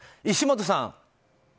石本さん。